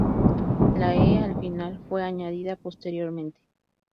La 'e' al final fue añadida posteriormente.